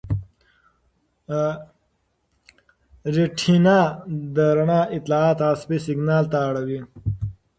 ریټینا د رڼا اطلاعات عصبي سېګنال ته اړوي.